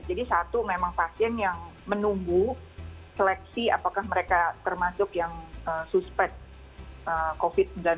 jadi satu memang pasien yang menunggu seleksi apakah mereka termasuk yang suspek covid sembilan belas